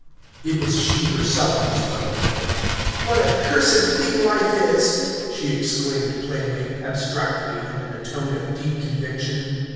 It was she herself who spoke. "What a cursed thing life is!" she exclaimed plainly, abstractedly, and in a tone of deep conviction.